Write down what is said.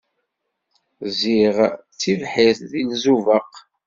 Ẓẓiɣ tibḥirt deg Izubaq.